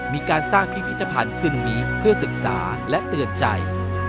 มีการสร้างพิพิธภัณฑ์ซึนามิเพื่อศึกษาและเตือนใจ